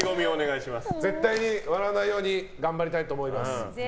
絶対に笑わないように頑張りたいと思います。